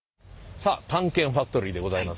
さあ「探検ファクトリー」でございます。